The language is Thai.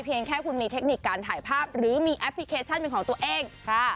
แค่คุณมีเทคนิคการถ่ายภาพหรือมีแอปพลิเคชันเป็นของตัวเองค่ะ